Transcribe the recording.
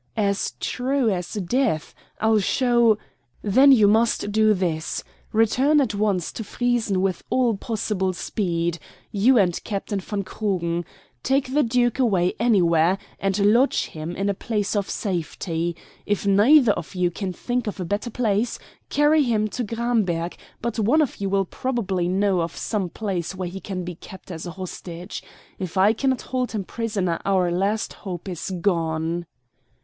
"As true as death, I'll show " "Then you must do this. Return at once to Friessen with all possible speed you and Captain von Krugen. Take the duke away anywhere, and lodge him in a place of safety. If neither of you can think of a better place, carry him to Gramberg; but one of you will probably know of some place where he can be kept as a hostage. If I cannot hold him prisoner our last hope is gone."